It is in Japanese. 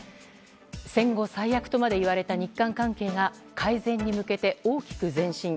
戦後最悪とまで言われた日韓関係が改善に向けて大きく前進。